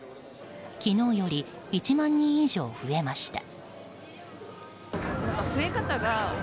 昨日より１万人以上増えました。